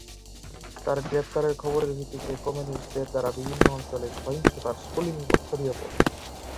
তার গ্রেফতারের খবরের ভিত্তিতে কমিউনিস্টদের দ্বারা বিভিন্ন অঞ্চলে সহিংসতার স্ফুলিঙ্গ ছড়িয়ে পড়ে।